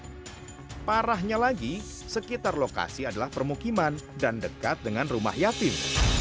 dan parahnya lagi sekitar lokasi adalah permukiman dan dekat dengan rumah yatim